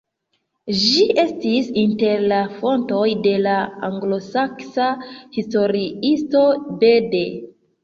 Ĝi estis inter la fontoj de la anglosaksa historiisto Bede.